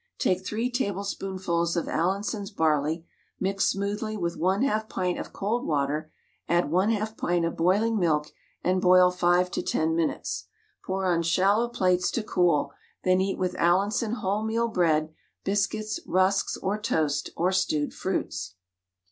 Take 3 tablespoonfuls of Allinson's barley, mix smoothly with 1/2 pint of cold water, add 1/2 pint of boiling milk, and boil 5 to 10 minutes. Pour on shallow plates to cool, then eat with Allinson wholemeal bread, biscuits, rusks, or toast, or stewed fruits.